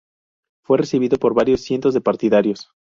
Fue recibido por varios cientos de partidarios.